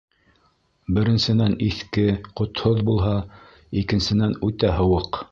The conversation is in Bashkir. Беренсенән, иҫке, ҡотһоҙ булһа, икенсенән, үтә һыуыҡ.